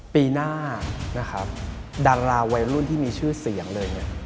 ปีหน้านะครับดาราวัยรุ่นที่มีชื่อเสียงเลยเนี่ย